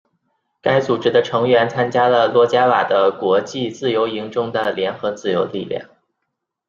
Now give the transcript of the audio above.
该组织的成员参加了罗贾瓦的国际自由营中的联合自由力量。